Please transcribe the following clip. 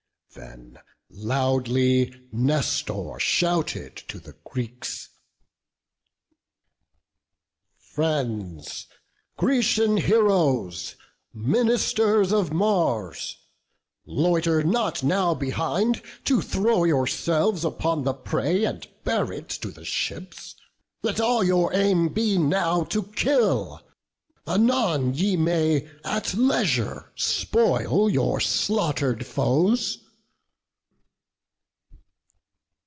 Then loudly Nestor shouted to the Greeks: "Friends, Grecian heroes, ministers of Mars! Loiter not now behind, to throw yourselves Upon the prey, and bear it to the ships; Let all your aim be now to kill; anon Ye may at leisure spoil your slaughter'd foes."